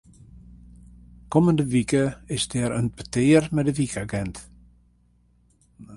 Kommende wike is der in petear mei de wykagint.